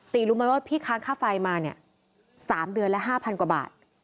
รู้ไหมว่าพี่ค้างค่าไฟมาเนี่ย๓เดือนและ๕๐๐กว่าบาท